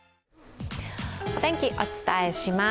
お天気、お伝えします。